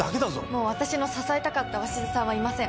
もう私の支えたかった鷲津さんはいません。